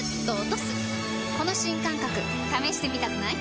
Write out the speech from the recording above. この新感覚試してみたくない？